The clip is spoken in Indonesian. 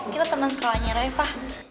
kita teman sekolahnya reva